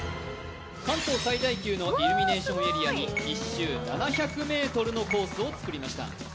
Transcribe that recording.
関東最大級のイルミネーションエリアに１周７００ｍのコースを作りました